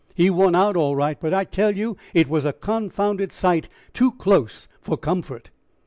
He won out all right, but I tell you it was a confounded sight too close for comfort."